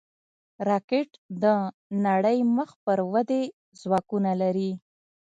راکټ د نړۍ مخ پر ودې ځواکونه لري